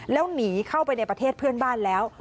แล้วหนีเข้าไปในประเทศเพื่อนบ้านแล้ว